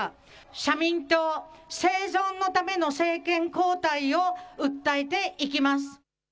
社民党、生存のための政権交代を訴えていきます。